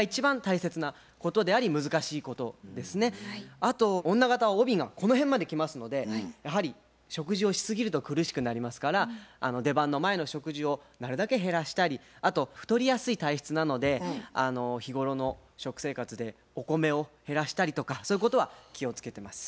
あと女形は帯がこの辺まで来ますのでやはり食事をしすぎると苦しくなりますから出番の前の食事をなるだけ減らしたりあと太りやすい体質なので日頃の食生活でお米を減らしたりとかそういうことは気をつけてます。